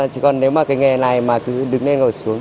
chứ còn nếu mà cái nghề này mà cứ đứng lên ngồi xuống